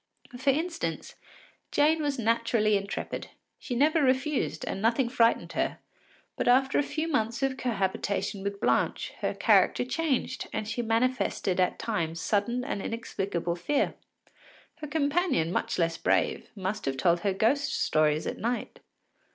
For instance, Jane was naturally intrepid; she never refused, and nothing frightened her, but after a few months of cohabitation with Blanche her character changed and she manifested at times sudden and inexplicable fear. Her companion, much less brave, must have told her ghost stories at night.